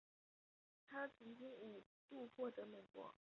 他曾经五度获得美国图画书最高荣誉凯迪克奖。